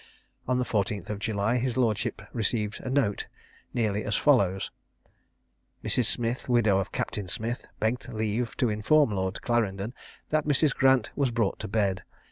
On the 14th of July his lordship received a note nearly as follows: Mrs. Smith, widow of Captain Smith, begged leave to inform Lord Clarendon that Mrs. Grant was brought to bed.